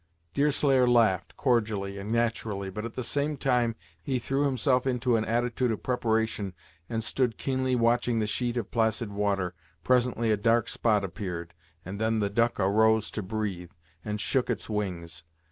Deerslayer laughed, cordially and naturally, but at the same time he threw himself into an attitude of preparation and stood keenly watching the sheet of placid water. Presently a dark spot appeared, and then the duck arose to breathe, and shook its wings.